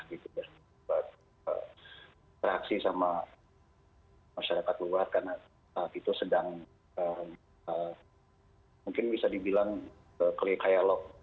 dan buat interaksi sama masyarakat luar karena saat itu sedang mungkin bisa dibilang kelikaya log